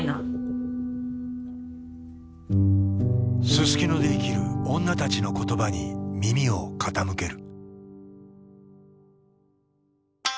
すすきので生きる女たちの言葉に耳を傾ける。